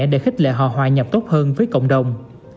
để khích lệ họ hòa nhập tốt hơn với cộng đồng